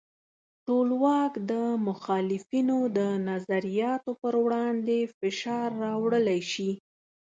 ټولواک د مخالفینو د نظریاتو پر وړاندې فشار راوړلی شي.